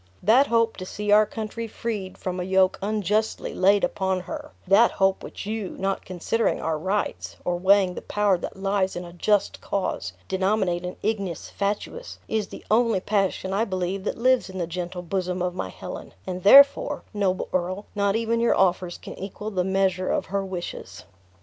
That hope to see our country freed from a yoke unjustly laid upon her that hope which you, not considering our rights, or weighing the power that lies in a just cause, denominate an ignis fatuus, is the only passion I believe that lives in the gentle bosom of my Helen; and therefore, noble earl, not even your offers can equal the measure of her wishes."